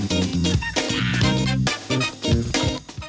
สวัสดีค่ะสวัสดีค่ะ